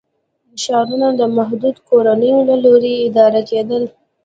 ښارونه د محدودو کورنیو له لوري اداره کېدل.